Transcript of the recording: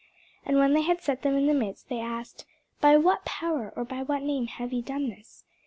And when they had set them in the midst, they asked, By what power, or by what name, have ye done this?